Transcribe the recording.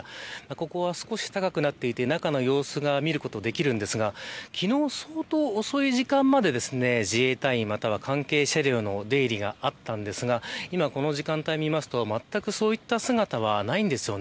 ここは少し高くなっていて中の様子を見ることができるんですが昨日、相当遅い時間まで自衛隊員または関係車両の出入りがあったんですが今この時間帯を見ますとまったくそういった姿はないです。